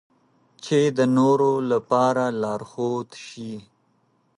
چې د نورو لپاره لارښود شي.